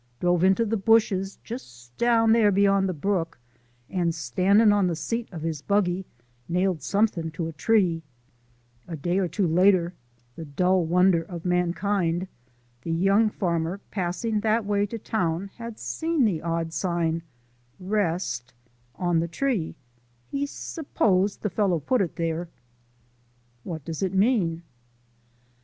Drove into the bushes (just down there beyond the brook) and, standin' on the seat of his buggy, nailed something to a tree. A day or two later the dull wonder of mankind! the young farmer, passing that way to town, had seen the odd sign "Rest" on the tree: he s'posed the fellow put it there. "What does it mean?"